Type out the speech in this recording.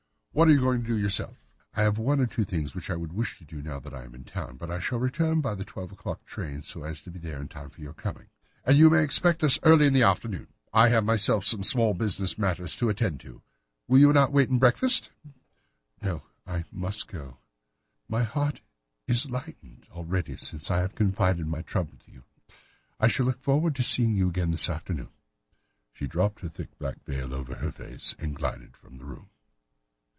What are you going to do yourself?" "I have one or two things which I would wish to do now that I am in town. But I shall return by the twelve o'clock train, so as to be there in time for your coming." "And you may expect us early in the afternoon. I have myself some small business matters to attend to. Will you not wait and breakfast?" "No, I must go. My heart is lightened already since I have confided my trouble to you. I shall look forward to seeing you again this afternoon." She dropped her thick black veil over her face and glided from the room.